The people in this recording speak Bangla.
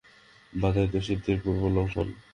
বাধাই তো সিদ্ধির পূর্ব লক্ষণ।